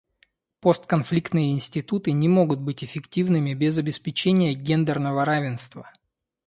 Постконфликтные институты не могут быть эффективными без обеспечения гендерного равенства.